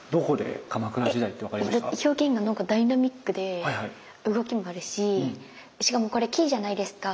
表現が何かダイナミックで動きもあるししかもこれ木じゃないですか。